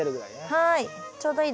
はい。